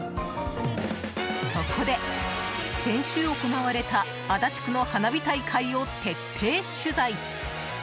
そこで、先週行われた足立区の花火大会を徹底取材。